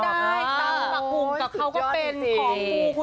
เขาก็ร้องได้ตั้งหลักกลุ่มกับเขาก็เป็นของกู